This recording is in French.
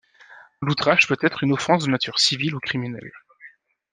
L'outrage peut être une offense de nature civile ou criminelle.